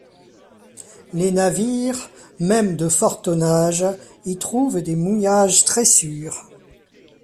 Les navires, même de fort tonnage, y trouvent des mouillages très sûrs.